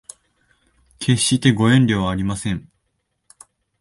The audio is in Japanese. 決してご遠慮はありません